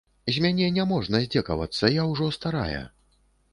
З мяне не можна здзекавацца, я ўжо старая.